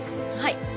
はい。